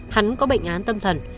hắn có bệnh án tâm thần